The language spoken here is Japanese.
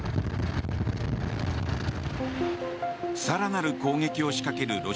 更なる攻撃を仕掛ける